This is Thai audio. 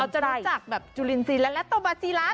เราจะรู้จักแบบจุลินซีลัดและโตบาซีลัด